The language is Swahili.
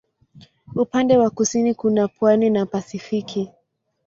Upande wa kusini kuna pwani na Pasifiki.